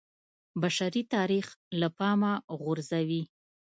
بشري تاریخ له پامه غورځوي